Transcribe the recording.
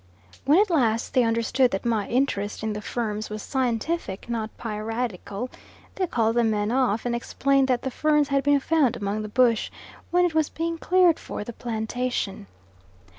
When at last they understood that my interest in the ferns was scientific, not piratical, they called the men off and explained that the ferns had been found among the bush, when it was being cleared for the plantation.